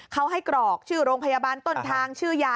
เขาให้กรอกชื่อโรงพยาบาลต้นทางชื่อยา